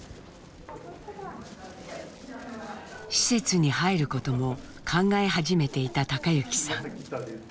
施設に入ることも考え始めていた貴之さん。